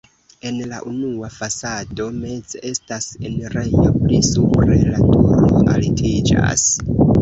En la unua fasado meze estas enirejo, pli supre la turo altiĝas.